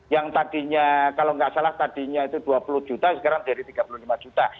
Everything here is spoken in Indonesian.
yang tadinya kalau nggak salah tadinya itu dua puluh juta sekarang dari tiga puluh lima juta